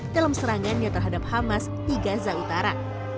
dalam serangannya terhadap hamas di gaza utara